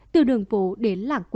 từ đường phố đến làng quê